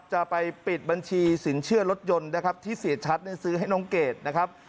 จะไปปิดบัญชีสินเชื่อรถยนต์นะครับที่เสียชัดซื้อให้น้องเกดนะครับ